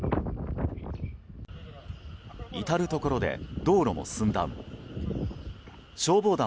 至るところで道路も寸断。